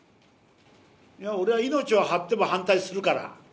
俺は命を張っても反対するから。